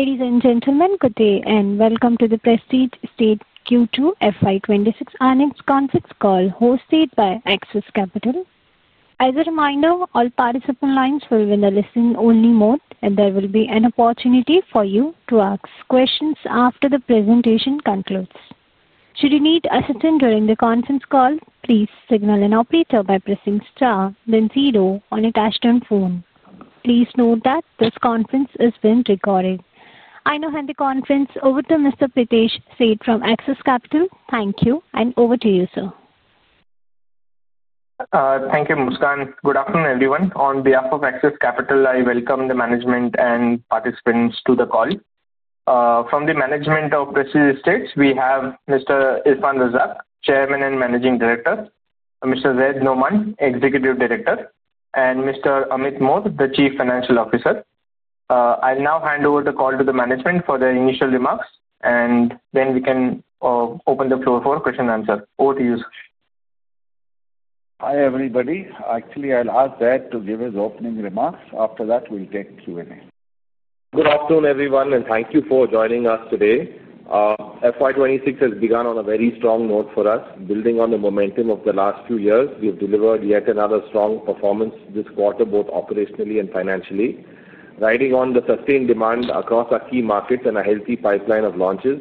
Ladies and gentlemen, good day and welcome to the Prestige Estates Q2 FY 2026 Earnings Conference Call hosted by Axis Capital. As a reminder, all participant lines will be in a listen-only mode, and there will be an opportunity for you to ask questions after the presentation concludes. Should you need assistance during the conference call, please signal an operator by pressing star then zero on a touch-tone phone. Please note that this conference is being recorded. I now hand the conference over to Mr. Pritesh Sheth from Axis Capital. Thank you, and over to you, sir. Thank you, Muskan. Good afternoon, everyone. On behalf of Axis Capital, I welcome the management and participants to the call. From the management of Prestige Estates, we have Mr. Irfan Razack, Chairman and Managing Director; Mr. Zayd Noaman, Executive Director; and Mr. Amit Mor, the Chief Financial Officer. I'll now hand over the call to the management for their initial remarks, and then we can open the floor for question and answer. Over to you, sir. Hi, everybody. Actually, I'll ask Zayd to give his opening remarks. After that, we'll take Q&A. Good afternoon, everyone, and thank you for joining us today. FY 2026 has begun on a very strong note for us, building on the momentum of the last few years. We've delivered yet another strong performance this quarter, both operationally and financially. Riding on the sustained demand across our key markets and a healthy pipeline of launches,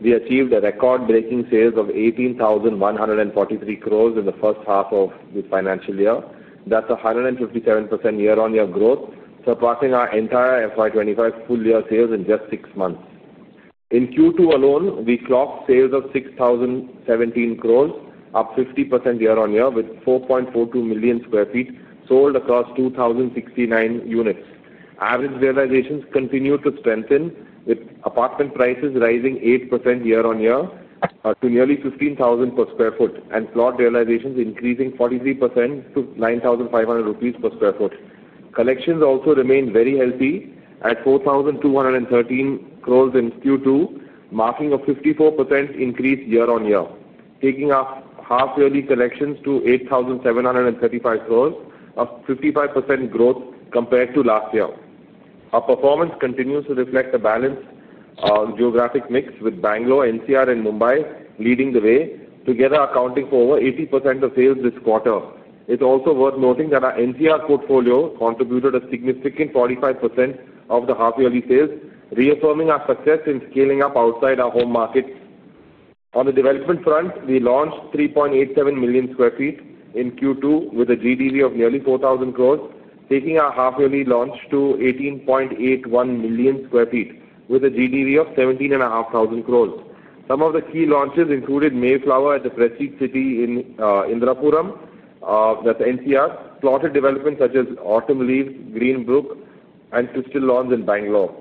we achieved a record-breaking sales of 18,143 crores in the first half of the financial year. That's a 157% year-on-year growth, surpassing our entire FY 2025 full-year sales in just six months. In Q2 alone, we clocked sales of 6,017 crores, up 50% year-on-year, with 4.42 million sq ft sold across 2,069 units. Average realizations continue to strengthen, with apartment prices rising 8% year-on-year to nearly 15,000 per sq ft, and floor realizations increasing 43% to 9,500 rupees per sq ft. Collections also remain very healthy at 4,213 crores in Q2, marking a 54% increase year-on-year, taking our half-yearly collections to 8,735 crores, a 55% growth compared to last year. Our performance continues to reflect a balanced geographic mix, with Bangalore, NCR, and Mumbai leading the way, together accounting for over 80% of sales this quarter. It's also worth noting that our NCR portfolio contributed a significant 45% of the half-yearly sales, reaffirming our success in scaling up outside our home markets. On the development front, we launched 3.87 million sq ft in Q2, with a GDV of nearly 4,000 crores, taking our half-yearly launch to 18.81 million sq ft, with a GDV of 17,500 crores. Some of the key launches included Mayflower at the Prestige City in Indirapuram; that's NCR. Plotted developments such as Autumn Leaves, Greenbrook, and Crystal Lawns in Bangalore.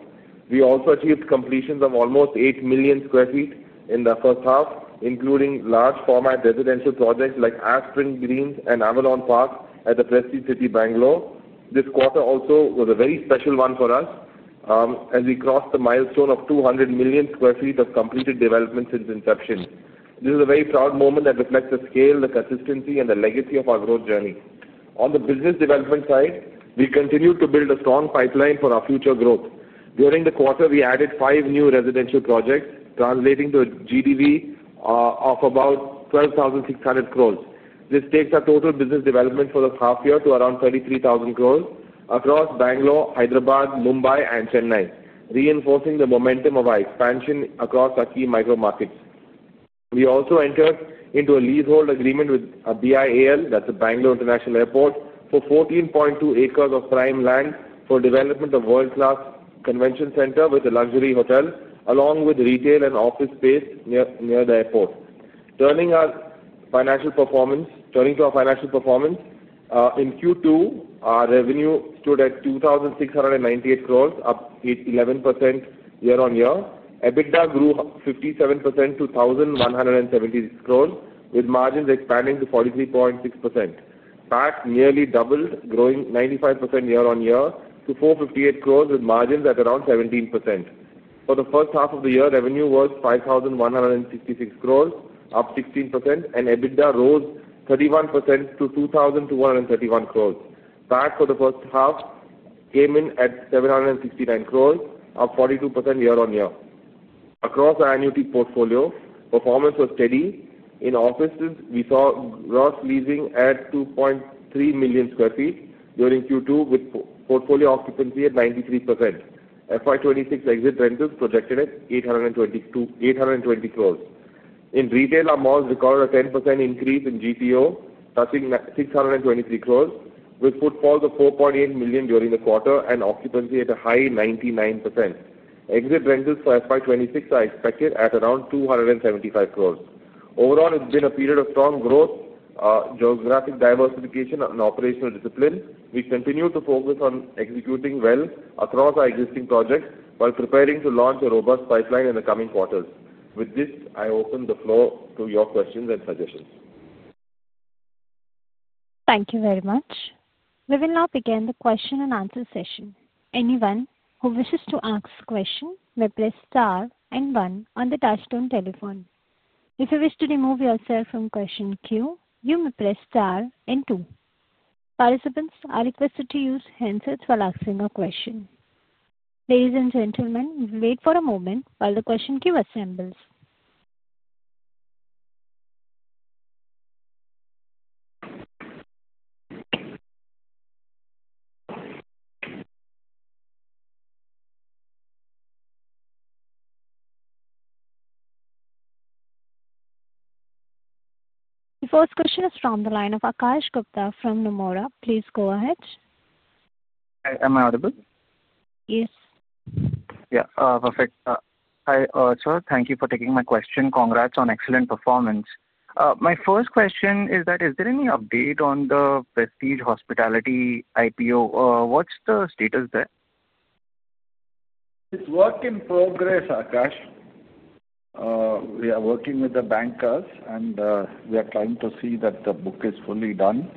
We also achieved completions of almost 8 million sq ft in the first half, including large-format residential projects like Aspen Greens and Avalon Park at the Prestige City, Bangalore. This quarter also was a very special one for us, as we crossed the milestone of 200 million sq ft of completed development since inception. This is a very proud moment that reflects the scale, the consistency, and the legacy of our growth journey. On the business development side, we continue to build a strong pipeline for our future growth. During the quarter, we added five new residential projects, translating to a GDV of about 12,600 crores. This takes our total business development for the half-year to around 33,000 crores across Bangalore, Hyderabad, Mumbai, and Chennai, reinforcing the momentum of our expansion across our key micro markets. We also entered into a leasehold agreement with BLR; that's Bangalore International Airport, for 14.2 acres of prime land for development of a world-class convention center with a luxury hotel, along with retail and office space near the airport. Turning to our financial performance, in Q2, our revenue stood at 2,698 crores, up 11% year-on-year. EBITDA grew 57% to 1,176 crores, with margins expanding to 43.6%. PAC nearly doubled, growing 95% year-on-year to 458 crores, with margins at around 17%. For the first half of the year, revenue was 5,166 crores, up 16%, and EBITDA rose 31% to 2,231 crores. PAC for the first half came in at 769 crores, up 42% year-on-year. Across our annuity portfolio, performance was steady. In offices, we saw gross leasing at 2.3 million sq ft during Q2, with portfolio occupancy at 93%. FY 2026 exit rentals projected at 820 crores. In retail, our malls recorded a 10% increase in GTO, touching 623 crores, with footfalls of 4.8 million during the quarter and occupancy at a high 99%. Exit rentals for FY 2026 are expected at around 275 crores. Overall, it's been a period of strong growth, geographic diversification, and operational discipline. We continue to focus on executing well across our existing projects while preparing to launch a robust pipeline in the coming quarters. With this, I open the floor to your questions and suggestions. Thank you very much. We will now begin the question and answer session. Anyone who wishes to ask a question may press star and one on the touchtone telephone. If you wish to remove yourself from question queue, you may press star and two. Participants are requested to use handsets while asking a question. Ladies and gentlemen, we'll wait for a moment while the question queue assembles. The first question is from the line of Akash Gupta from Nomura. Please go ahead. Am I audible? Yes. Yeah, perfect. Hi, sir. Thank you for taking my question. Congrats on excellent performance. My first question is that, is there any update on the Prestige Hospitality IPO? What's the status there? It's a work in progress, Akash. We are working with the bankers, and we are trying to see that the book is fully done.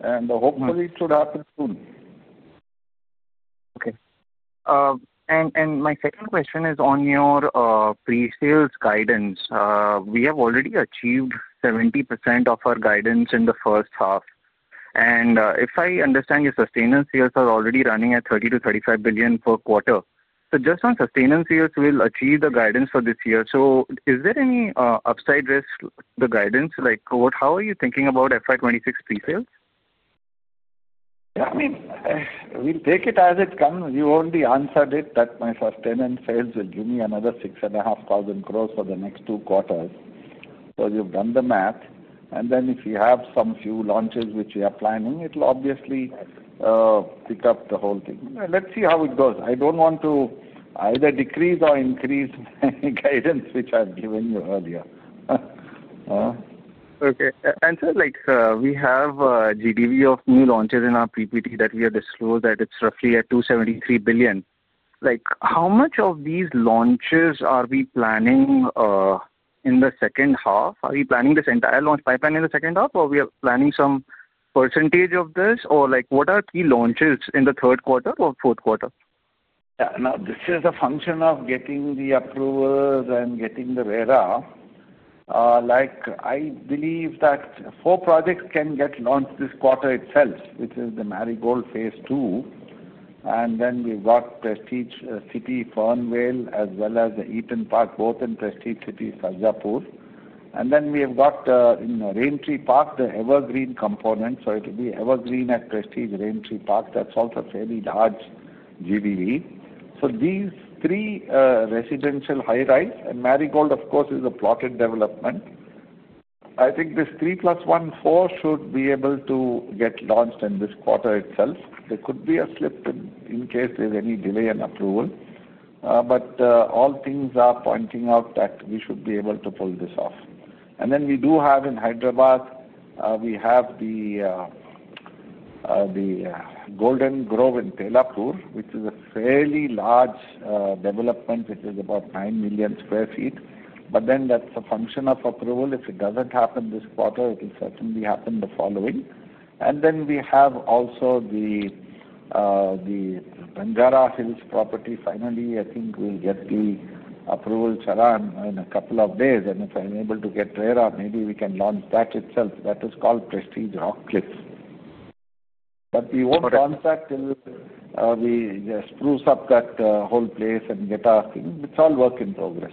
And hopefully, it should happen soon. Okay. And my second question is on your pre-sales guidance. We have already achieved 70% of our guidance in the first half. And if I understand, your sustenance sales are already running at 30 billion-35 billion per quarter. So just on sustenance sales, we'll achieve the guidance for this year. So is there any upside risk to the guidance? How are you thinking about FY 2026 pre-sales? Yeah, I mean, we'll take it as it comes. You already answered it that my sustenance sales will give me another 6,500 crores for the next two quarters. So you've done the math. Then if you have some few launches which we are planning, it will obviously pick up the whole thing. Let's see how it goes. I don't want to either decrease or increase the guidance which I've given you earlier. Okay. Sir, we have a GDV of new launches in our PPT that we have disclosed that it's roughly at 273 billion. How much of these launches are we planning in the second half? Are we planning this entire launch pipeline in the second half, or we are planning some percentage of this? Or what are key launches in the third quarter or fourth quarter? Yeah, now, this is a function of getting the approvals and getting the way around. I believe that four projects can get launched this quarter itself, which is the Marigold Phase II. And then we've got Prestige City Fernvale as well as the Eaton Park, both in Prestige City Sarjapur. And then we have got in the Raintree Park, the Evergreen component. So it will be Evergreen at Prestige Raintree Park. That's also a fairly large GDV. So these three residential high-rise, and Marigold, of course, is a plotted development. I think this 3+1, 4 should be able to get launched in this quarter itself. There could be a slip in case there's any delay in approval. But all things are pointing out that we should be able to pull this off. We do have in Hyderabad, we have the Golden Grove in Tellapur, which is a fairly large development, which is about 9 million sq ft. That's a function of approval. If it doesn't happen this quarter, it will certainly happen the following. We have also the Banjara Hills property. Finally, I think we'll get the approval, Charan, in a couple of days. If I'm able to get RERA, maybe we can launch that itself. That is called Prestige Rock Cliff. We won't launch that till we spruce up that whole place and get our things. It's all work in progress.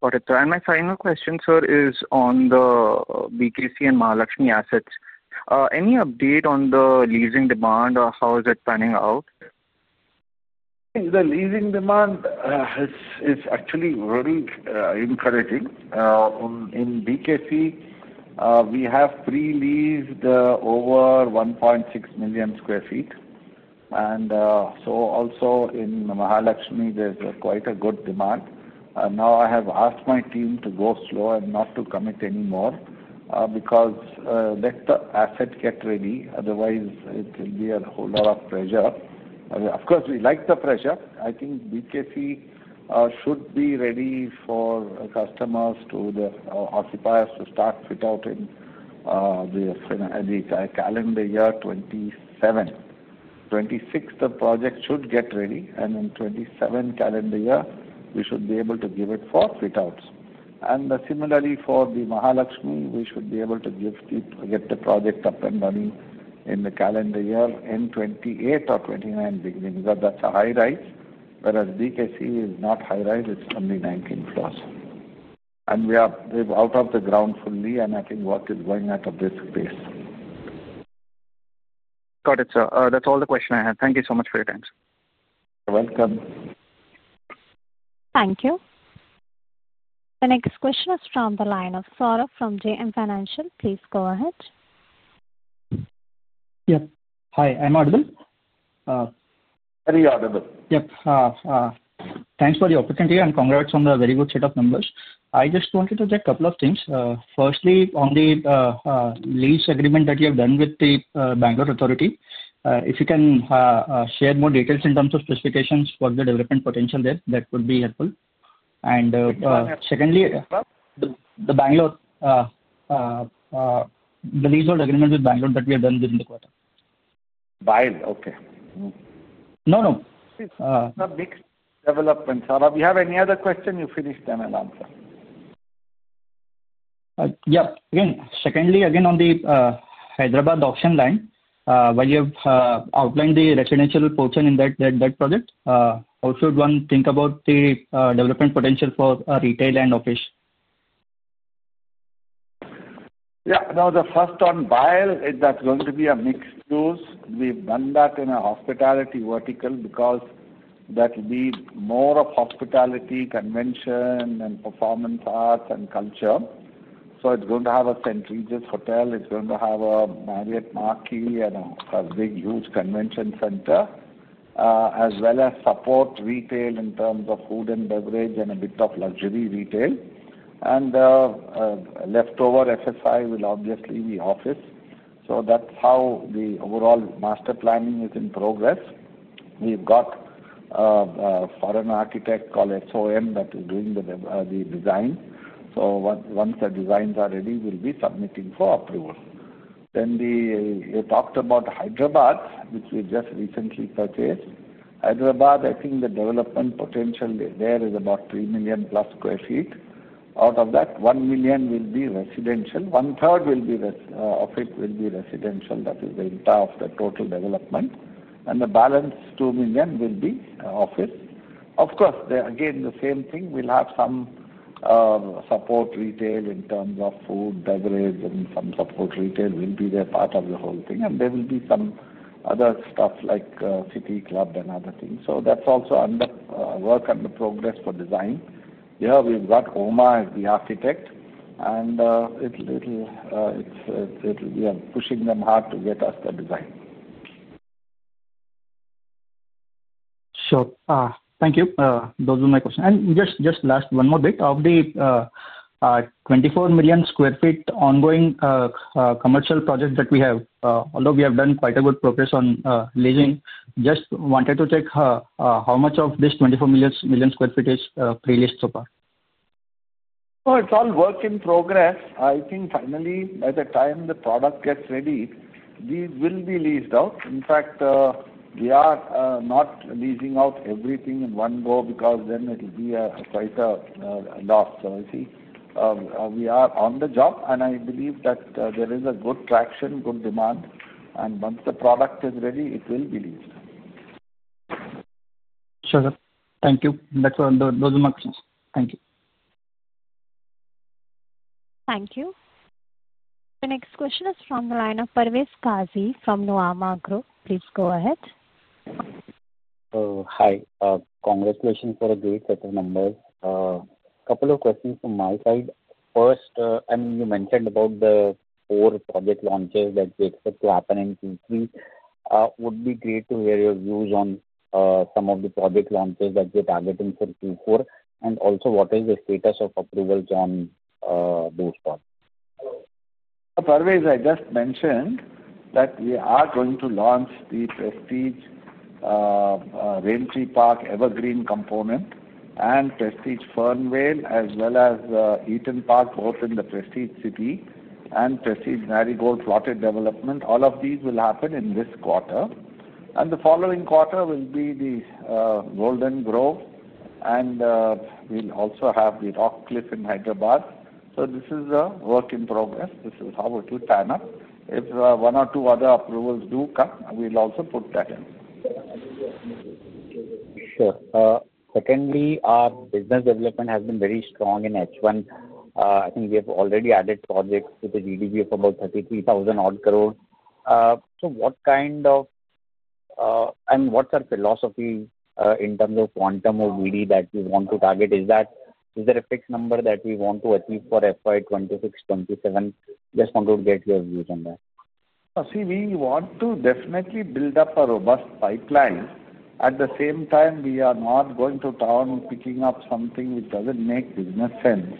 Got it. And my final question, sir, is on the BKC and Mahalaxmi assets. Any update on the leasing demand, or how is it panning out? The leasing demand is actually very encouraging. In BKC, we have pre-leased over 1.6 million sq ft. And so also in Mahalaxmi, there's quite a good demand. Now, I have asked my team to go slow and not to commit anymore because let the asset get ready. Otherwise, it will be a whole lot of pressure. Of course, we like the pressure. I think BKC should be ready for customers to the occupiers to start fit out in the calendar year 2027. 2026, the project should get ready. And in 2027 calendar year, we should be able to give it for fit outs. And similarly, for the Mahalaxmi, we should be able to get the project up and running in the calendar year in 2028 or 2029 beginning. That's a high-rise, whereas BKC is not high-rise. It's only 19 floors. And they're out of the ground fully, and I think work is going at a brisk pace. Got it, sir. That's all the questions I have. Thank you so much for your time, sir. You're welcome. Thank you. The next question is from the line of Saurabh from JM Financial. Please go ahead. Yep. Hi, I'm audible? Very audible. Yep. Thanks for the opportunity, and congrats on the very good set of numbers. I just wanted to check a couple of things. Firstly, on the lease agreement that you have done with the Bangalore authority, if you can share more details in terms of specifications for the development potential there, that would be helpful. And secondly, the lease agreement with Bangalore that we have done during the quarter. Buy-in? Okay. No, no. It's a mixed development. Saurabh, do you have any other question? You finish then and answer. Yeah. Again, secondly, again on the Hyderabad auction line, while you have outlined the residential portion in that project, how should one think about the development potential for retail and office? Yeah. No, the first one, buy-in, is that going to be a mixed use? We've done that in a hospitality vertical because that needs more of hospitality, convention, and performance arts and culture. So it's going to have a centuries-old hotel. It's going to have a Marriott Marquis and a big, huge convention center, as well as support retail in terms of food and beverage and a bit of luxury retail. And leftover FSI will obviously be office. So that's how the overall master planning is in progress. We've got a foreign architect called SOM that is doing the design. So once the designs are ready, we'll be submitting for approval. Then you talked about Hyderabad, which we just recently purchased. Hyderabad, I think the development potential there is about 3 million+ sq ft. Out of that, 1 million sq ft will be residential. 1/3 of it will be residential. That is the entire of the total development. And the balance, 2 million sq ft, will be office. Of course, again, the same thing. We'll have some support retail in terms of food, beverage, and some support retail will be there part of the whole thing. And there will be some other stuff like city club and other things. So that's also work under progress for design. Yeah, we've got Omar as the architect. And we are pushing them hard to get us the design. Sure. Thank you. Those were my questions. And just last, one more bit. Of the 24 million sq ft ongoing commercial project that we have, although we have done quite a good progress on leasing, just wanted to check how much of this 24 million sq ft is pre-leased so far? Well, it's all work in progress. I think finally, by the time the product gets ready, we will be leased out. In fact, we are not leasing out everything in one go because then it will be quite a loss. So we are on the job. And I believe that there is a good traction, good demand. And once the product is ready, it will be leased. Sure. Thank you. That's all. Those are my questions. Thank you. Thank you. The next question is from the line of Parvez Qazi from Nuvama Group. Please go ahead. Hi. Congratulations for a great set of numbers. A couple of questions from my side. First, I mean, you mentioned about the four project launches that you expect to happen in Q3. It would be great to hear your views on some of the project launches that you're targeting for Q4. And also, what is the status of approvals on those projects? Parvez, I just mentioned that we are going to launch the Prestige Raintree Park Evergreen component and Prestige Fernvale, as well as Eaton Park, both in the Prestige City and Prestige Marigold plotted development. All of these will happen in this quarter. And the following quarter will be the Golden Grove. And we'll also have the Rock Cliff in Hyderabad. So this is a work in progress. This is how it will pan up. If one or two other approvals do come, we'll also put that in. Sure. Secondly, our business development has been very strong in H1. I think we have already added projects with a GDV of about 33,000 odd crores. So what kind of, I mean, what's our philosophy in terms of quantum or BD that we want to target? Is there a fixed number that we want to achieve for FY 2026, 2027? Just wanted to get your views on that. See, we want to definitely build up a robust pipeline. At the same time, we are not going to town picking up something which doesn't make business sense.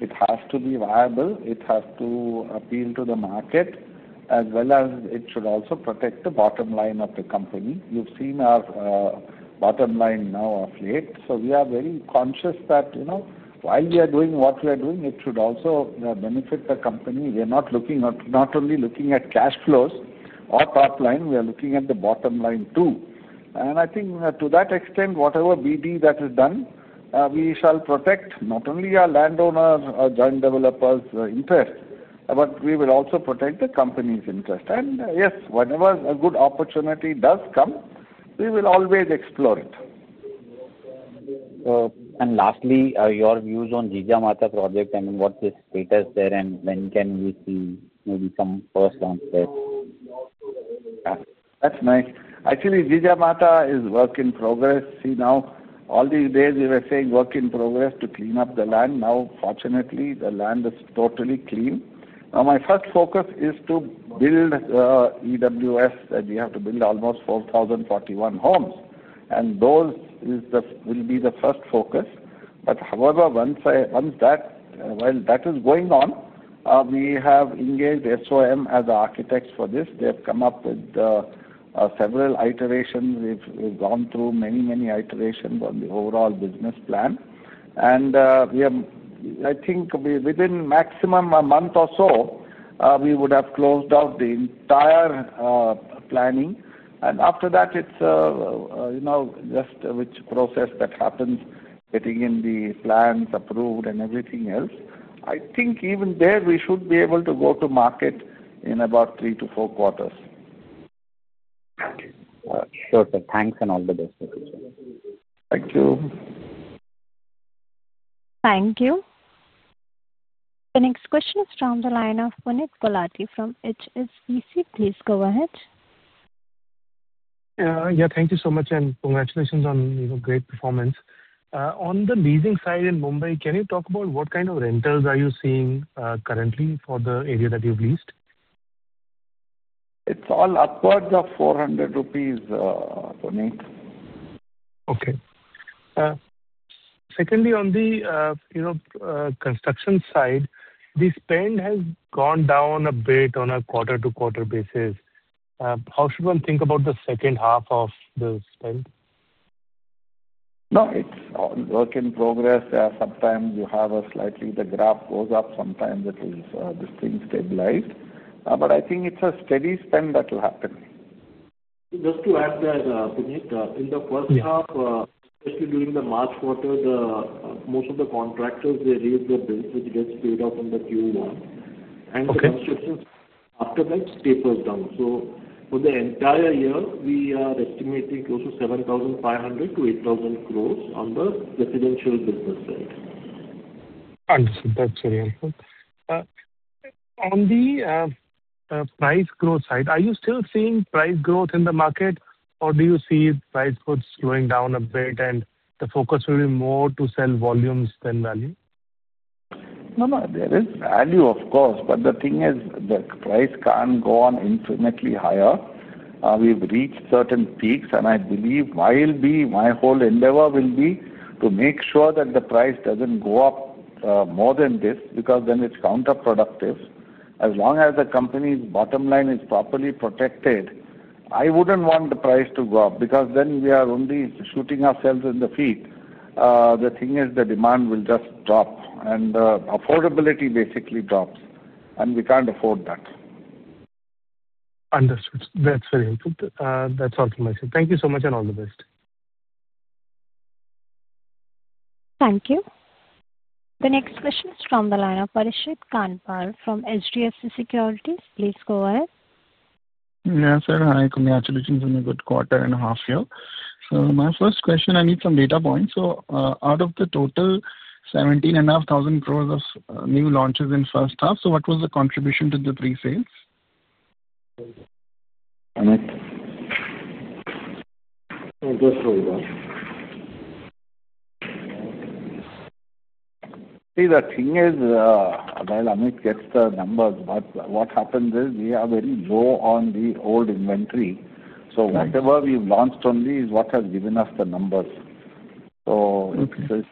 It has to be viable. It has to appeal to the market, as well as it should also protect the bottom line of the company. You've seen our bottom line now of late. So we are very conscious that while we are doing what we are doing, it should also benefit the company. We are not only looking at cash flows or top line. We are looking at the bottom line too. And I think to that extent, whatever BD that is done, we shall protect not only our landowner or joint developer's interest, but we will also protect the company's interest. And yes, whenever a good opportunity does come, we will always explore it. And lastly, your views on Jijamata project and what's the status there, and when can we see maybe some first launch there? That's nice. Actually, Jijamata is a work in progress. See, now, all these days, we were saying work in progress to clean up the land. Now, fortunately, the land is totally clean. Now, my first focus is to build EWS, and we have to build almost 4,041 homes. And those will be the first focus. But however, once that is going on, we have engaged SOM as our architects for this. They have come up with several iterations. We've gone through many, many iterations on the overall business plan. And I think within maximum a month or so, we would have closed out the entire planning. And after that, it's just which process that happens, getting in the plans approved and everything else. I think even there, we should be able to go to market in about three to four quarters. Sure. Thanks and all the best. Thank you. Thank you. The next question is from the line of Puneet Gulati from HSBC. Please go ahead. Yeah. Thank you so much, and congratulations on great performance. On the leasing side in Mumbai, can you talk about what kind of rentals are you seeing currently for the area that you've leased? It's all upwards of 400 rupees, Puneet. Okay. Secondly, on the construction side, the spend has gone down a bit on a quarter-to-quarter basis. How should one think about the second half of the spend? No, it's all work in progress. Sometimes you have a slightly the graph goes up. Sometimes it will, this thing stabilize. But I think it's a steady spend that will happen. Just to add there, Puneet, in the first half, especially during the March quarter, most of the contractors, they read the bill, which gets paid off in the Q1. And the construction after that staples down. So for the entire year, we are estimating close to 7,500 crores-8,000 crores on the residential business side. Understood. That's very helpful. On the price growth side, are you still seeing price growth in the market, or do you see price goods slowing down a bit and the focus will be more to sell volumes than value? No, no. There is value, of course. But the thing is, the price can't go on infinitely higher. We've reached certain peaks. And I believe my whole endeavor will be to make sure that the price doesn't go up more than this because then it's counterproductive. As long as the company's bottom line is properly protected, I wouldn't want the price to go up because then we are only shooting ourselves in the feet. The thing is, the demand will just drop. And affordability basically drops. And we can't afford that. Understood. That's very helpful. That's all from my side. Thank you so much and all the best. Thank you. The next question is from the line of Parikshit Kandpal from HDFC Securities. Please go ahead. Yes, sir. Hi. Congratulations on a good quarter and a half here. So my first question, I need some data points. So out of the total 17,500 crores of new launches in first half, so what was the contribution to the pre-sales? Amit? Just hold on. See, the thing is, while Amit gets the numbers, what happens is we are very low on the old inventory. So whatever we've launched only is what has given us the numbers. So it's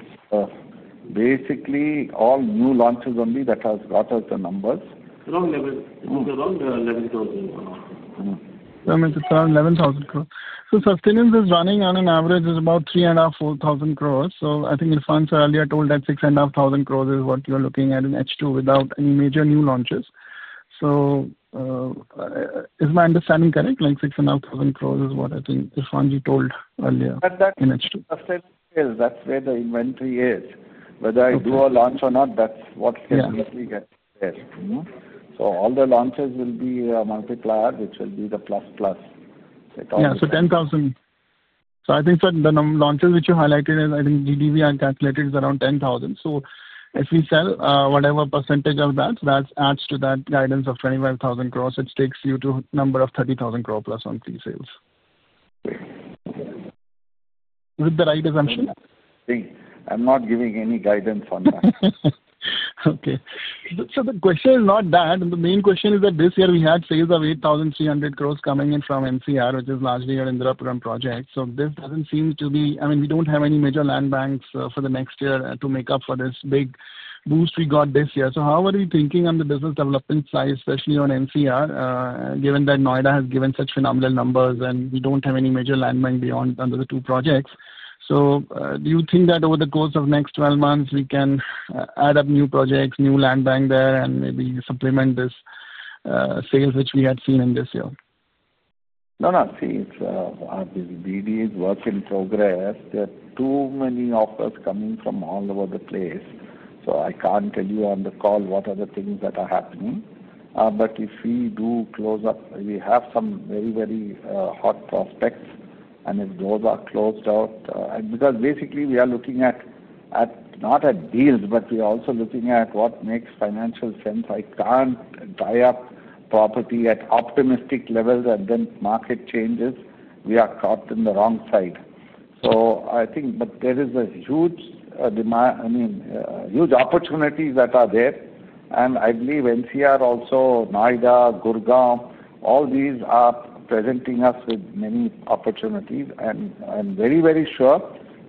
basically all new launches only that have got us the numbers. Wrong level. It's the wrong INR 11,000 crores. Yeah. It's around 11,000 crores. So sustenance is running on an average of about 3,500 crores-4,000 crores. So I think Irfanjan earlier told that 6,500 crores is what you're looking at in H2 without any major new launches. So is my understanding correct? Like 6,500 crores is what I think Irfan told earlier in H2? That's where the inventory is. Whether I do a launch or not, that's what schedules we get there. So all the launches will be multiplier, which will be the plus-plus. Yeah. So 10,000. So I think the launches which you highlighted is, I think GDV I calculated is around 10,000. So if we sell whatever percentage of that, that adds to that guidance of 25,000 crores, which takes you to a number of 30,000 crore+ on pre-sales. Is that the right assumption? I'm not giving any guidance on that. Okay. So the question is not that. The main question is that this year we had sales of 8,300 crores coming in from NCR, which is largely your Indirapuram Project. So this doesn't seem to be—I mean, we don't have any major land banks for the next year to make up for this big boost we got this year. So how are you thinking on the business development side, especially on NCR, given that Noida has given such phenomenal numbers and we don't have any major land bank beyond under the two projects? So do you think that over the course of the next 12 months, we can add up new projects, new land bank there, and maybe supplement this sales which we had seen in this year? No, no. See, BD is a work in progress. There are too many offers coming from all over the place. So I can't tell you on the call what are the things that are happening. But if we do close up, we have some very, very hot prospects. And if those are closed out—and because basically we are looking at not at deals, but we are also looking at what makes financial sense. I can't tie up property at optimistic levels and then market changes. We are caught in the wrong side. So I think, but there is a huge demand—I mean, huge opportunities that are there. And I believe NCR also, Noida, Gurgaon, all these are presenting us with many opportunities. And I'm very, very sure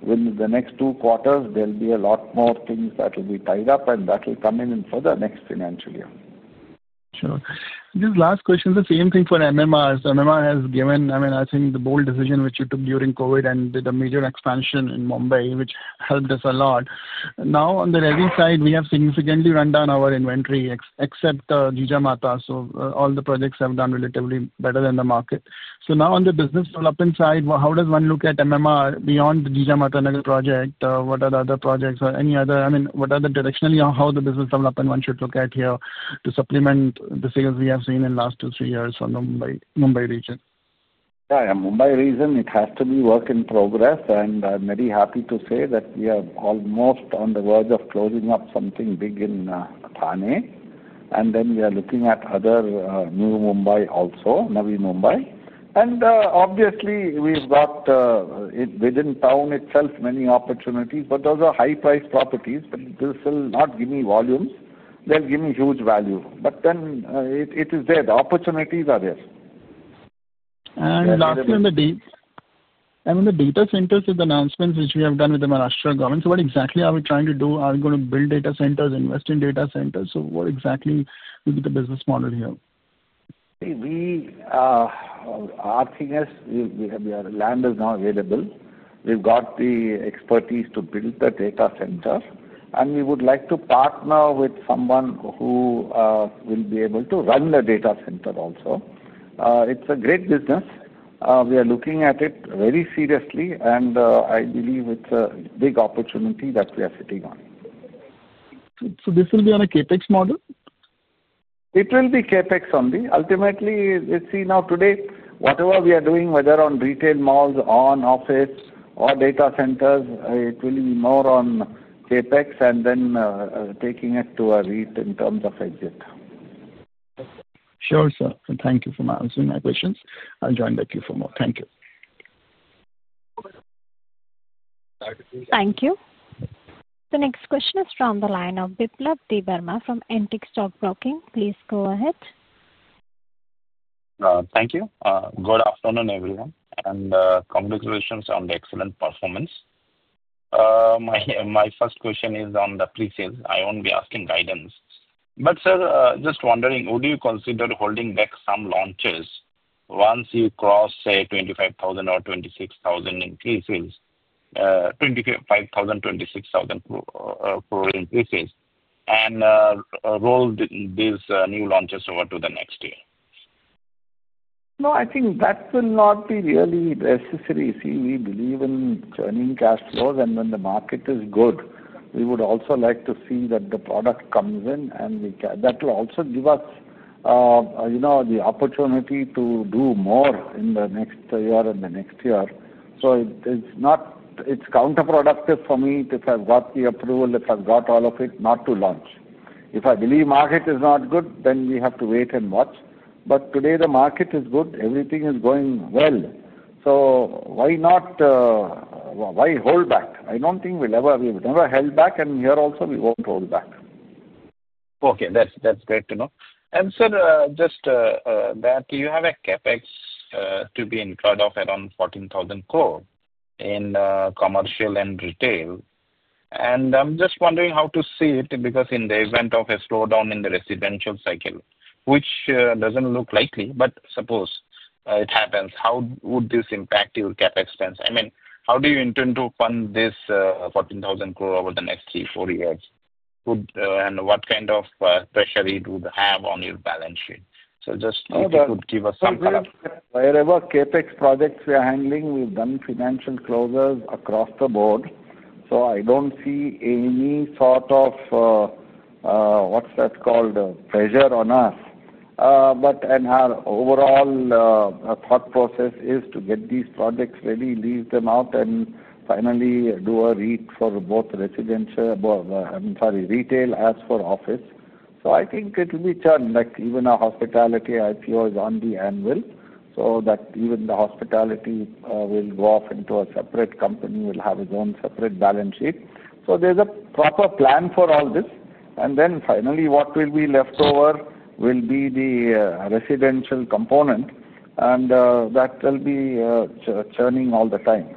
within the next two quarters, there'll be a lot more things that will be tied up and that will come in for the next financial year. Sure. This last question is the same thing for MMR. So MMR has given—I mean, I think the bold decision which you took during COVID and did a major expansion in Mumbai, which helped us a lot. Now, on the revenue side, we have significantly run down our inventory, except Jijamata. So all the projects have done relatively better than the market. So now, on the business development side, how does one look at MMR beyond the Jijamata Nagar project? What are the other projects? Or any other—I mean, what are the directionally how the business development one should look at here to supplement the sales we have seen in the last two, three years from the Mumbai region? Yeah. Mumbai region, it has to be work in progress. And I'm very happy to say that we are almost on the verge of closing up something big in Thane. And then we are looking at other new Mumbai also, Navi Mumbai. And obviously, we've got within town itself many opportunities. But those are high-priced properties. But they'll still not give me volumes. They'll give me huge value. But then it is there. The opportunities are there. And lastly, on the data centers with the announcements which we have done with the Maharashtra government, so what exactly are we trying to do? Are we going to build data centers, invest in data centers? So what exactly will be the business model here? See, our thing is, we have land is now available. We've got the expertise to build the data center. And we would like to partner with someone who will be able to run the data center also. It's a great business. We are looking at it very seriously. And I believe it's a big opportunity that we are sitting on. So this will be on a CapEx model? It will be CapEx only. Ultimately, let's see now today, whatever we are doing, whether on retail malls, on office, or data centers, it will be more on CapEx and then taking it to a REIT in terms of exit. Sure, sir. Thank you for answering my questions. I'll join back you for more. Thank you. Thank you. The next question is from the line of Biplab Debbarma from Antique Stock Broking. Please go ahead. Thank you. Good afternoon, everyone. Congratulations on the excellent performance. My first question is on the pre-sales. I won't be asking guidance. But, sir, just wondering, would you consider holding back some launches once you cross, say, 25,000 crore or 26,000 crore increases, 25,000 crore, 26,000 crore increases, and roll these new launches over to the next year? No, I think that will not be really necessary. See, we believe in turning cash flows. And when the market is good, we would also like to see that the product comes in. And that will also give us the opportunity to do more in the next year and the next year. So it's counterproductive for me if I've got the approval, if I've got all of it, not to launch. If I believe the market is not good, then we have to wait and watch. But today, the market is good. Everything is going well. So why not hold back? I don't think we'll ever—we've never held back. And here also, we won't hold back. Okay. That's great to know. And, sir, just that you have a CapEx to be in front of around 14,000 crore in commercial and retail. And I'm just wondering how to see it because in the event of a slowdown in the residential cycle, which doesn't look likely, but suppose it happens, how would this impact your CapEx spends? I mean, how do you intend to fund this 14,000 crore over the next three, four years? And what kind of pressure it would have on your balance sheet? So just if you could give us some color. Wherever CapEx projects we are handling, we've done financial closes across the board. I don't see any sort of—what's that called?—pressure on us. Our overall thought process is to get these projects ready, lease them out, and finally do a REIT for both residential—I'm sorry, retail as for office. I think it will be turned back. Even our hospitality IPO is only annual. That even the hospitality will go off into a separate company, will have its own separate balance sheet. There's a proper plan for all this. Then finally, what will be left over will be the residential component. That will be churning all the time.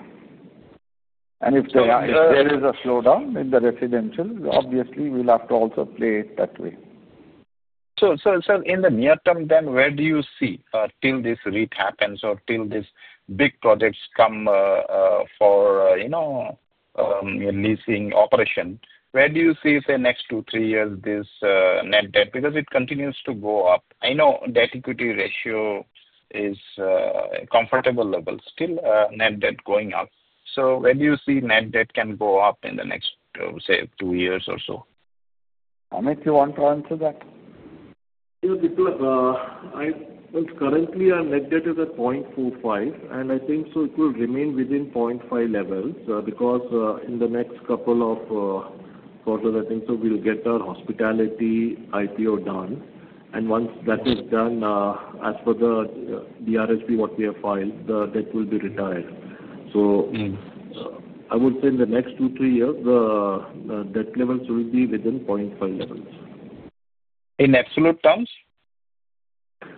If there is a slowdown in the residential, obviously, we'll have to also play it that way. Sir, in the near term then, where do you see till this REIT happens or till these big projects come for leasing operation? Where do you see, say, next two, three years, this net debt? Because it continues to go up. I know debt-equity ratio is a comfortable level. Still, net debt going up. Where do you see net debt can go up in the next, say, two years or so? Amit, you want to answer that? Currently, our net debt is at 0.45. I think so it will remain within 0.5 levels because in the next couple of quarters, I think so we'll get our hospitality IPO done. Once that is done, as for the DRSP, what we have filed, the debt will be retired. So I would say in the next two, three years, the debt levels will be within 0.5 levels. In absolute terms?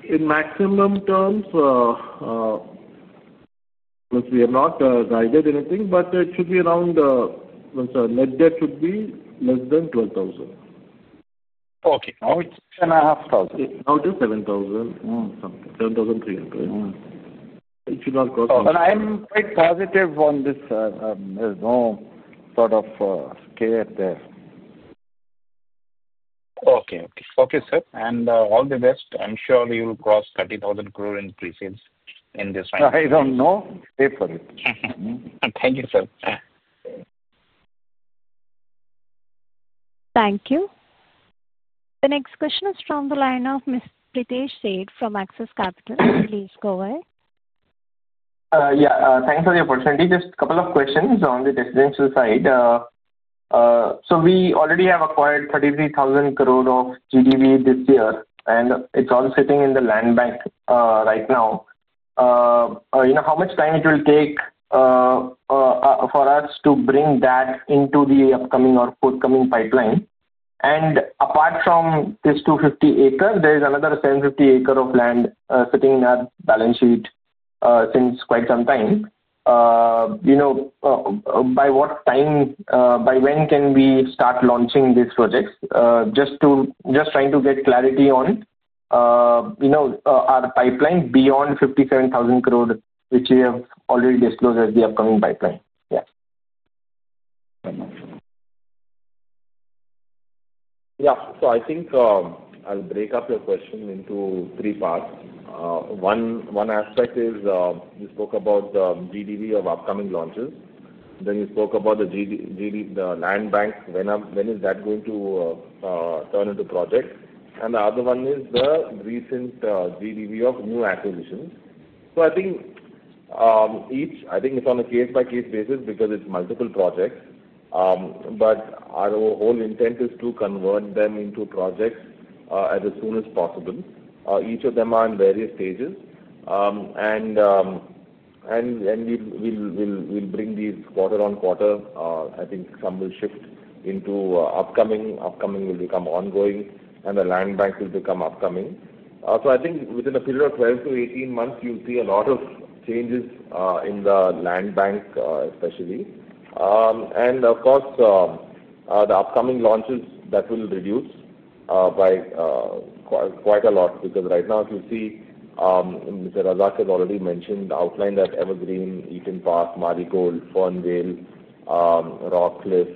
In maximum terms, we have not guided anything. But it should be around—net debt should be less than 12,000. Okay. How much? 10,500. It's down to 7,000 something. 7,300. It should not cross the threshold. And I'm quite positive on this, sir. There's no sort of scare there. Okay. Okay. Okay, sir. And all the best. I'm sure you'll cross 30,000 crore in pre-sales in this round. I don't know. Wait for it. Thank you, sir. Thank you. The next question is from the line of Ms. Pritesh Sheth from Axis Capital. Please go ahead. Yeah. Thanks for the opportunity. Just a couple of questions on the residential side. So we already have acquired 33,000 crore of GDV this year. And it's all sitting in the land bank right now. How much time it will take for us to bring that into the upcoming or forthcoming pipeline? And apart from this 250 acres, there is another 750 acres of land sitting in our balance sheet since quite some time. By what time? By when can we start launching these projects? Just trying to get clarity on our pipeline beyond 57,000 crore, which we have already disclosed as the upcoming pipeline. Yeah. Yeah. I think I'll break up your question into three parts. One aspect is you spoke about the GDV of upcoming launches. Then you spoke about the land bank. When is that going to turn into projects? And the other one is the recent GDV of new acquisitions. I think each—I think it's on a case-by-case basis because it's multiple projects. But our whole intent is to convert them into projects as soon as possible. Each of them are in various stages. And we'll bring these quarter on quarter. I think some will shift into upcoming. Upcoming will become ongoing. And the land bank will become upcoming. I think within a period of 12 months-18 months, you'll see a lot of changes in the land bank, especially. And of course, the upcoming launches that will reduce by quite a lot. Because right now, as you see, Mr. Razack has already mentioned, outlined that Evergreen, Eaton Park, Marigold, Fernvale, Rock Cliff,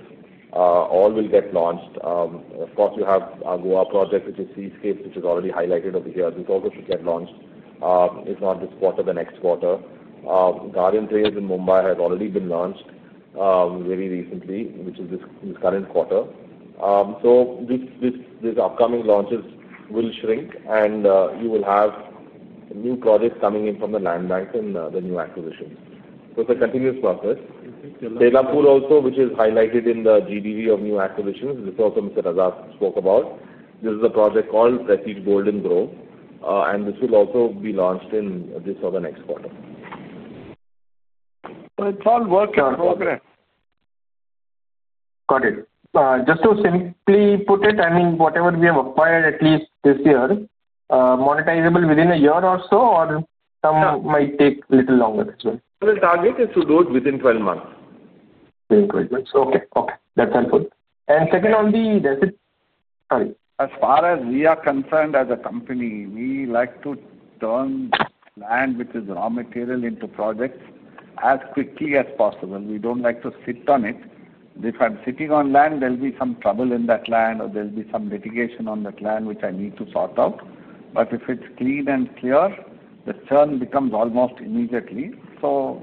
all will get launched. Of course, you have a Goa project, which is Sea Scapes, which is already highlighted over here. This also should get launched, if not this quarter, the next quarter. Garden Trails in Mumbai has already been launched very recently, which is this current quarter. So these upcoming launches will shrink. And you will have new projects coming in from the land bank and the new acquisitions. So it's a continuous process. Thailapur. Thailapur also, which is highlighted in the GDV of new acquisitions. This is also Mr. Razack spoke about. This is a project called Prestige Golden Grove. And this will also be launched in this or the next quarter. So it's all work in progress. Got it. Just to simply put it, I mean, whatever we have acquired, at least this year, monetizable within a year or so? Or some might take a little longer as well? The target is to do it within 12 months. Within 12 months. Okay. Okay. That's helpful. And second on the? Sorry, as far as we are concerned as a company, we like to turn land, which is raw material, into projects as quickly as possible. We don't like to sit on it. If I'm sitting on land, there'll be some trouble in that land, or there'll be some litigation on that land, which I need to sort out. But if it's clean and clear, the churn becomes almost immediately. So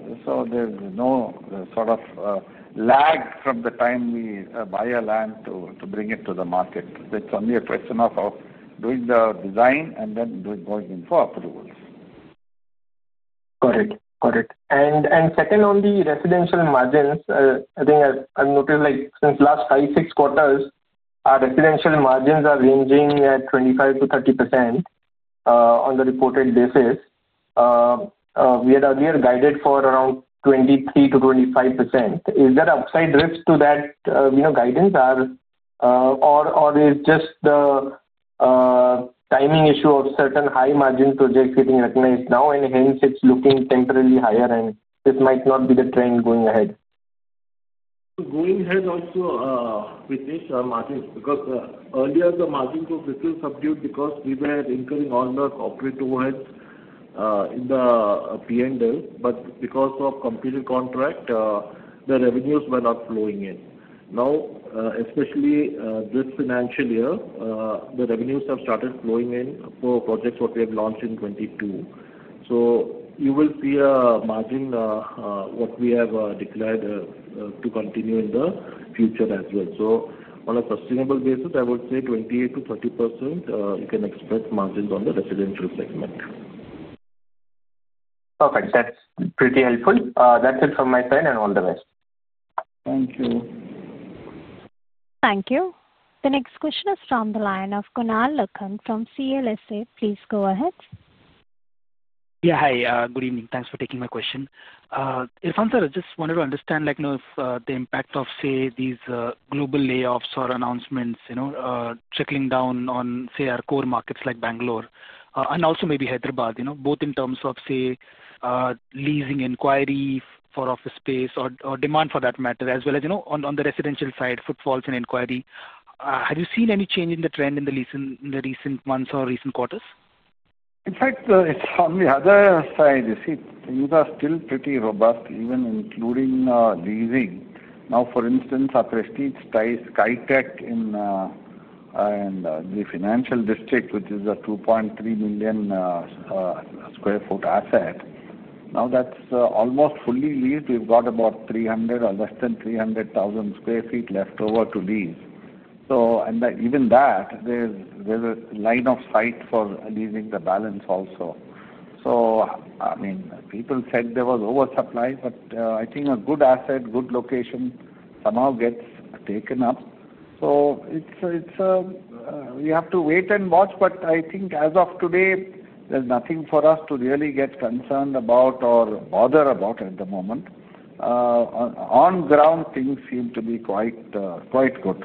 there's no sort of lag from the time we buy a land to bring it to the market. It's only a question of doing the design and then going in for approvals. Got it. Got it. And second on the residential margins, I think I've noticed since last five, six quarters, our residential margins are ranging at 25%-30% on the reported basis. We had earlier guided for around 23%-25%. Is there upside drift to that guidance? Or is it just the timing issue of certain high-margin projects getting recognized now, and hence it's looking temporarily higher? And this might not be the trend going ahead. Going ahead also with these margins. Because earlier, the margins were a little subdued because we were incurring all the corporate overheads in the P&L. But because of competing contract, the revenues were not flowing in. Now, especially this financial year, the revenues have started flowing in for projects what we have launched in 2022. So you will see a margin what we have declared to continue in the future as well. So on a sustainable basis, I would say 28%-30% you can expect margins on the residential segment. Perfect. That's pretty helpful. That's it from my side. And all the best. Thank you. Thank you. The next question is from the line of Kunal Lakhan from CLSA. Please go ahead. Yeah. Hi. Good evening. Thanks for taking my question. If, sir, I just wanted to understand if the impact of, say, these global layoffs or announcements trickling down on, say, our core markets like Bangalore and also maybe Hyderabad, both in terms of, say, leasing inquiry for office space or demand for that matter, as well as on the residential side, footfalls and inquiry. Have you seen any change in the trend in the recent months or recent quarters? In fact, on the other side, you see, things are still pretty robust, even including leasing. Now, for instance, Prestige Skytech in the financial district, which is a 2.3 million sq ft asset, now that's almost fully leased. We've got about 300 or less than 300,000 sq ft left over to lease. And even that, there's a line of sight for leasing the balance also. So, I mean, people said there was oversupply, but I think a good asset, good location somehow gets taken up. So we have to wait and watch. But I think as of today, there's nothing for us to really get concerned about or bother about at the moment. On ground, things seem to be quite good.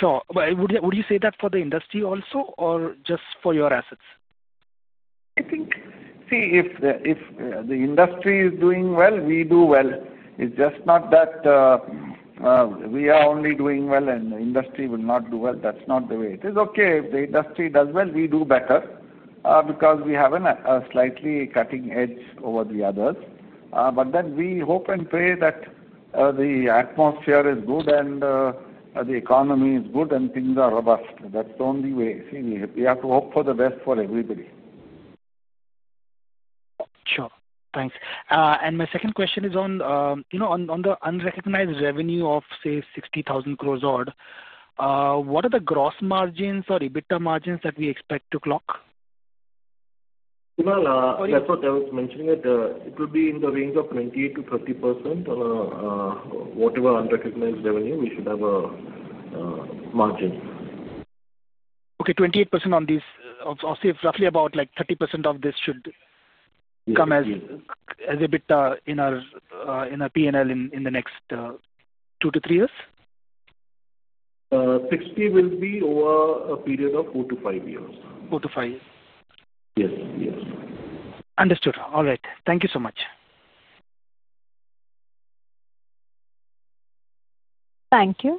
Sure. Would you say that for the industry also or just for your assets? I think, see, if the industry is doing well, we do well. It's just not that we are only doing well and the industry will not do well. That's not the way. It is okay if the industry does well. We do better because we have a slightly cutting edge over the others. But then we hope and pray that the atmosphere is good and the economy is good and things are robust. That's the only way. See, we have to hope for the best for everybody. Sure. Thanks. And my second question is on the unrecognized revenue of, say, 60,000 crore or what are the gross margins or EBITDA margins that we expect to clock? Kunal, that's what I was mentioning. It will be in the range of 28%-30% on whatever unrecognized revenue we should have a margin. Okay. 28% on these. Of roughly about 30% of this should come as EBITDA in our P&L in the next two to three years? 60% will be over a period of four to five years. Four to five years. Yes. Yes. Understood. All right. Thank you so much. Thank you.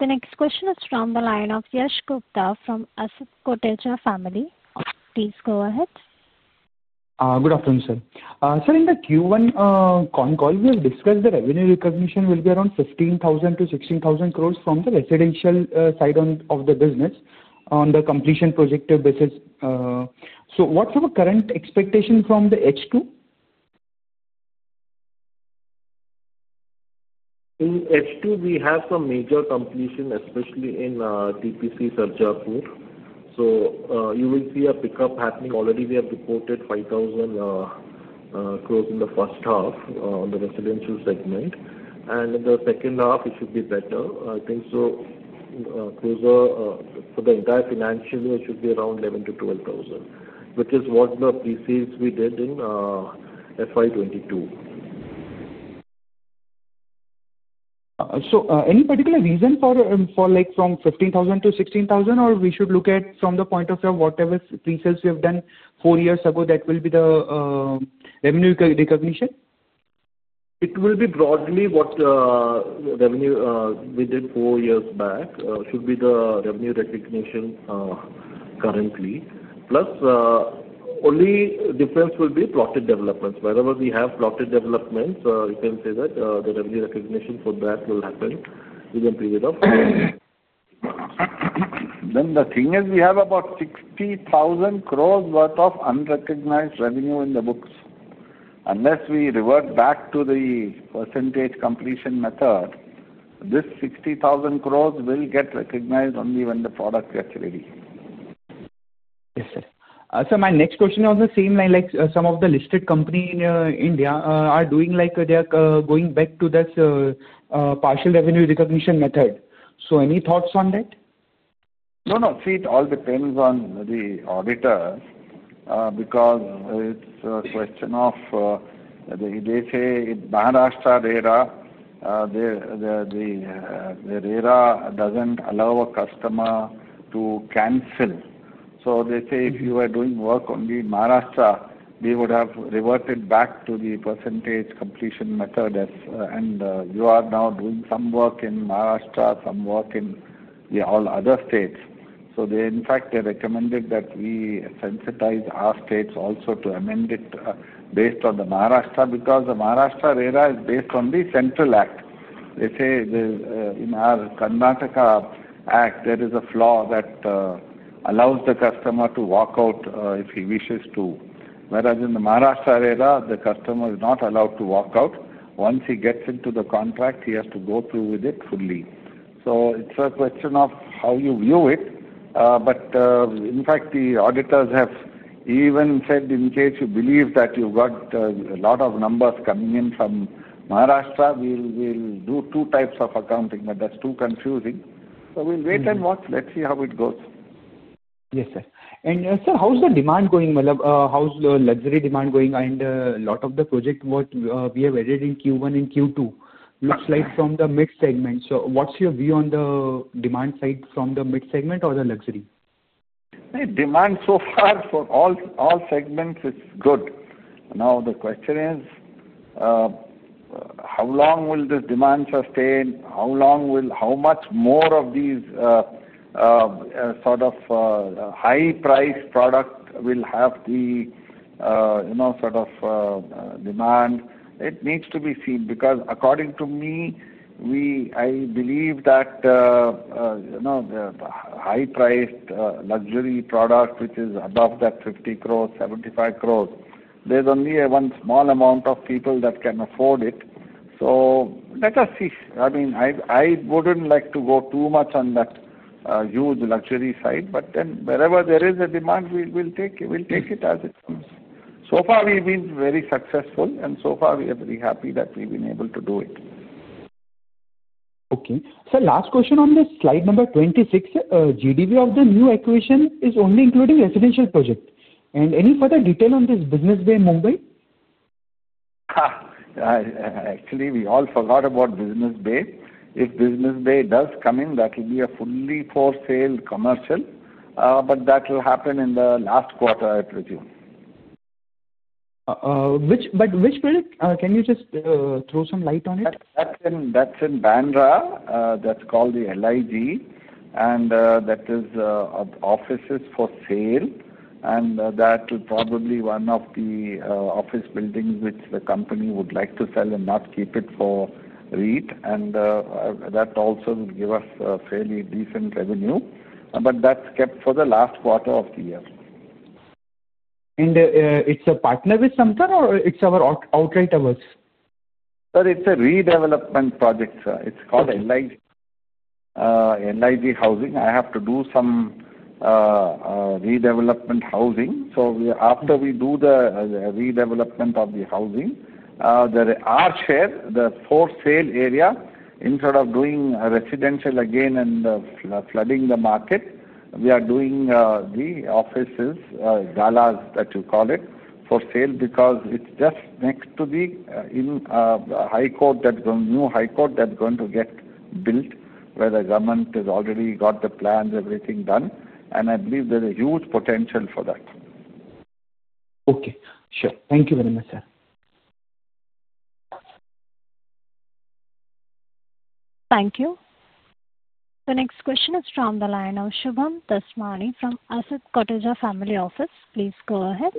The next question is from the line of Yash Gupta from Asit Koticha Family. Please go ahead. Good afternoon, sir. Sir, in the Q1 con call, we have discussed the revenue recognition will be around 15,000 crores-16,000 crores from the residential side of the business on the completion projective basis. So what's our current expectation from the H2? In H2, we have some major completion, especially in TPC Sarjapur. So you will see a pickup happening. Already, we have reported 5,000 crores in the first half on the residential segment. And in the second half, it should be better. I think so. For the entire financial year, it should be around 11,000 crores-12 crores, which is what the pre-sales we did in FY 2022. So any particular reason for from 15,000 crores-16,000 crores, or we should look at from the point of view of whatever pre-sales we have done four years ago that will be the revenue recognition? It will be broadly what revenue we did four years back should be the revenue recognition currently. Plus, only difference will be plotted developments. Wherever we have plotted developments, you can say that the revenue recognition for that will happen within a period of four years. Then the thing is we have about 60,000 crores worth of unrecognized revenue in the books. Unless we revert back to the percentage completion method, this 60,000 crores will get recognized only when the product gets ready. Yes, sir. So my next question is on the same line, like some of the listed company in India are doing like they are going back to this partial revenue recognition method. So any thoughts on that? No, no. See, it all depends on the auditor because it's a question of they say in Maharashtra RERA, the RERA doesn't allow a customer to cancel. So they say if you are doing work only in Maharashtra, we would have reverted back to the percentage completion method. And you are now doing some work in Maharashtra, some work in all other states. So in fact, they recommended that we sensitize our states also to amend it based on the Maharashtra because the Maharashtra RERA is based on the Central Act. They say in our Karnataka Act, there is a flaw that allows the customer to walk out if he wishes to. Whereas in the Maharashtra RERA, the customer is not allowed to walk out. Once he gets into the contract, he has to go through with it fully. So it's a question of how you view it. But in fact, the auditors have even said in case you believe that you've got a lot of numbers coming in from Maharashtra, we'll do two types of accounting. But that's too confusing. So we'll wait and watch. Let's see how it goes. Yes, sir. And sir, how's the demand going? How's the luxury demand going? And a lot of the projects what we have added in Q1 and Q2 looks like from the mid segment. So what's your view on the demand side from the mid segment or the luxury? Demand so far for all segments is good. Now the question is how long will this demand sustain? How much more of these sort of high-priced products will have the sort of demand? It needs to be seen because according to me, I believe that high-priced luxury product, which is above that 50 crores, 75 crores, there's only one small amount of people that can afford it. So let us see. I mean, I wouldn't like to go too much on that huge luxury side. But then wherever there is a demand, we'll take it as it comes. So far, we've been very successful. And so far, we are very happy that we've been able to do it. Okay. Sir, last question on this slide number 26. GDV of the new acquisition is only including residential projects. And any further detail on this Business Bay Mumbai? Actually, we all forgot about Business Bay. If Business Bay does come in, that will be a fully for-sale commercial. But that will happen in the last quarter, I presume. But which project? Can you just throw some light on it? That's in Bandra. That's called the LIG. And that is offices for sale. And that will probably be one of the office buildings which the company would like to sell and not keep it for REIT. And that also will give us fairly decent revenue. But that's kept for the last quarter of the year. And it's a partner with Southern Star or it's our outright awards? Sir, it's a redevelopment project, sir. It's called LIG Housing. I have to do some redevelopment housing. So after we do the redevelopment of the housing, there are shares, the for-sale area. Instead of doing residential again and flooding the market, we are doing the offices, galas that you call it, for sale because it's just next to the new high court that's going to get built where the government has already got the plans, everything done. And I believe there's a huge potential for that. Okay. Sure. Thank you very much, sir. Thank you. The next question is from the line of Shubham Dasmani from Asit Koticha Family Office. Please go ahead.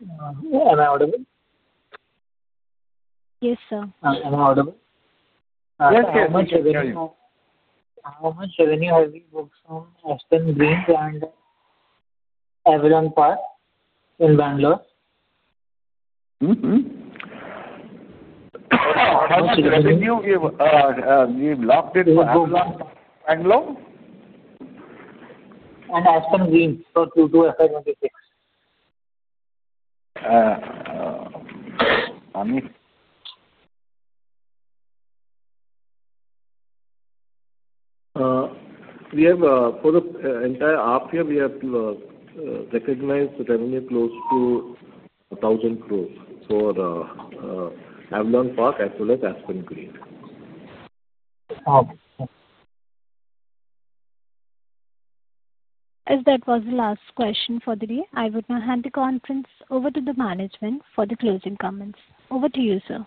Yeah. Am I audible? Yes, sir. Am I audible? Yes, sir. How much revenue have you worked from Aspen Greens and Avalon Park in Bangalore? How much revenue we've locked in Bangalore? And Aspen Greens for Q2 FY 2026? We have for the entire half year, we have recognized revenue close to 1,000 crores for Avalon Park as well as Aspen Greens. As that was the last question for the day, I would now hand the conference over to the management for the closing comments. Over to you, sir.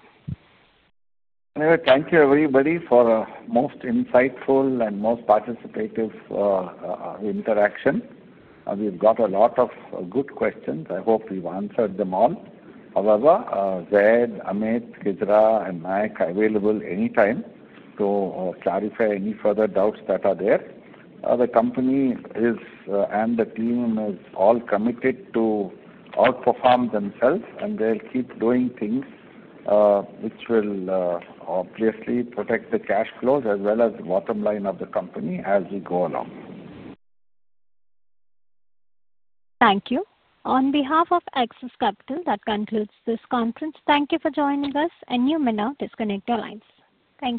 Thank you, everybody, for most insightful and most participative interaction. We've got a lot of good questions. I hope we've answered them all. However, Zayd, Amit, Kejra, and Mike are available anytime to clarify any further doubts that are there. The company and the team are all committed to outperform themselves, and they'll keep doing things which will obviously protect the cash flows as well as the bottom line of the company as we go along. Thank you. On behalf of Axis Capital, that concludes this conference. Thank you for joining us. And you may now disconnect your lines. Thank you.